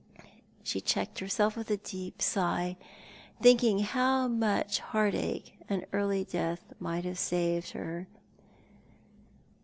She checked herself with a deep sigh, thinking how much heartache an early death might have saved her.